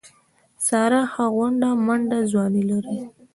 ساره ښه غونډه منډه ځواني لري.